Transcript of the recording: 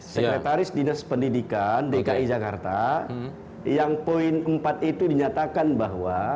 sekretaris dinas pendidikan dki jakarta yang poin empat itu dinyatakan bahwa